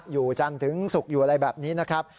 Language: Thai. อยู่จันทึงสุขอยู่อะไรแบบนี้นะครับ